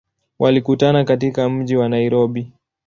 Walikutana katika mji wa Nairobi.